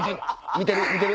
見てる？